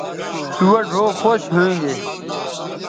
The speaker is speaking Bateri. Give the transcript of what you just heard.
سوہ ڙھؤ خوش ھویں گے